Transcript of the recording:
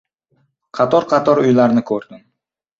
Qator-qator uylarni ko‘rdim.